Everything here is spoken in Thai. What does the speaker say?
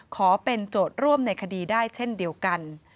ขอเป็นโจทย์ร่วมในคดีได้เช่นเดียวกัน